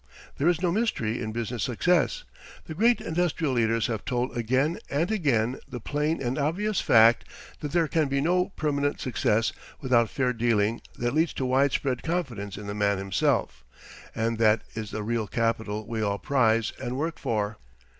There is no mystery in business success. The great industrial leaders have told again and again the plain and obvious fact that there can be no permanent success without fair dealing that leads to wide spread confidence in the man himself, and that is the real capital we all prize and work for.